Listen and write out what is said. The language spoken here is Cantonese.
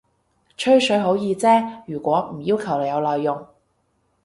吹水好易啫，如果唔要求有內容